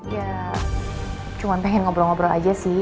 ya cuma pengen ngobrol ngobrol aja sih